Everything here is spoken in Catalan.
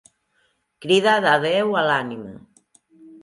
Crida de Déu a l'ànima.